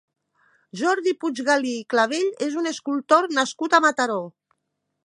Jordi Puiggalí i Clavell és un escultor nascut a Mataró.